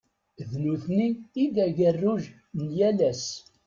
D nutni i d ageruj n yal ass.